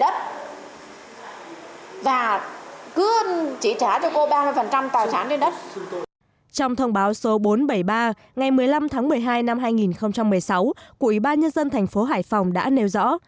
trong thông báo số bốn trăm bảy mươi ba ngày một mươi năm tháng một mươi hai năm hai nghìn một mươi sáu của ủy ban nhân dân thành phố hải phòng đã nêu rõ